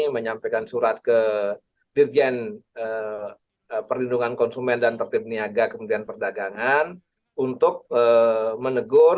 menyampaikan surat ke dirjen perlindungan konsumen dan tertibniaga kemudian perdagangan untuk menegur